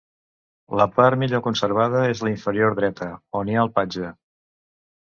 La part millor conservada és la inferior dreta, on hi ha el patge.